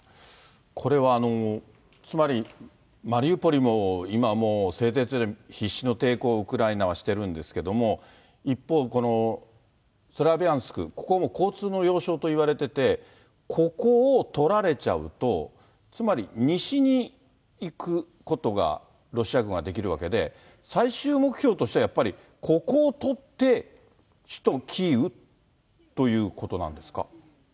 これはつまり、マリウポリも今、製鉄所で必死の抵抗を、ウクライナはしてるんですけども、一方、このスラビャンスク、ここ、交通の要衝といわれてて、ここを取られちゃうと、つまり、西に行くことがロシア軍はできるわけで、最終目標としてはやっぱりここを取って、首都キーウということなんですか。